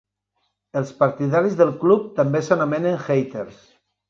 Els partidaris del Club també s'anomenen Hatters.